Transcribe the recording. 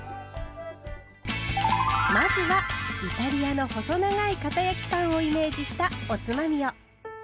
まずはイタリアの細長いかた焼きパンをイメージしたおつまみを。